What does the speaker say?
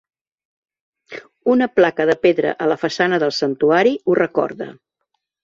Una placa de pedra a la façana del santuari ho recorda.